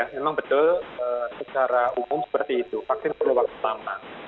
memang betul secara umum seperti itu vaksin perlu waktu lama